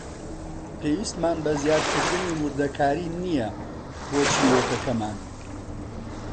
پێویستمان بە زیادکردنی وردەکاری نییە بۆ چیرۆکەکەمان.